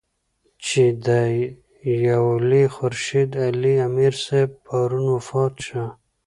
چې د دېولۍ خورشېد علي امير صېب پرون وفات شۀ